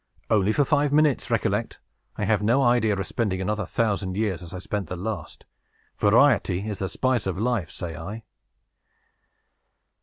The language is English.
Only for five minutes, recollect! I have no idea of spending another thousand years as I spent the last. Variety is the spice of life, say I."